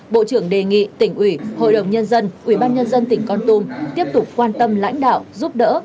bộ trưởng đề nghị tỉnh ủy hội đồng nhân dân ubnd tỉnh con tum tiếp tục quan tâm lãnh đạo giúp đỡ